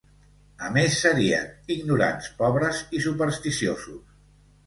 A més serien: ignorants, pobres i supersticiosos.